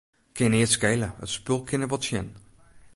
Kin neat skele, it spul kin der wol tsjin.